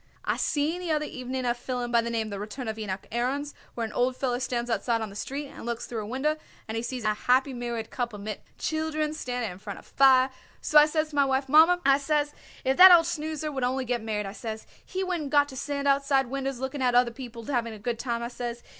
I seen the other evening a fillum by the name The Return of Enoch Aarons, where an old feller stands outside on the street and looks through a winder, and he sees a happy married couple mit children sitting in front of a fire. So I says to my wife: 'Mommer,' I says, 'if that old snoozer would only get married,' I says, 'he wouldn't got to stand outside winders looking at other people having a good time,' I says.